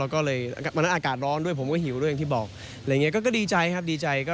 ก็เลยวันนั้นอากาศร้อนด้วยผมก็หิวด้วยอย่างที่บอกอะไรอย่างนี้ก็ดีใจครับดีใจ